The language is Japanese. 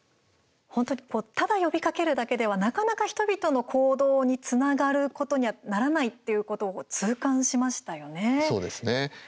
本当にただ呼びかけるだけではなかなか人々の行動につながることにはならないってそうですね。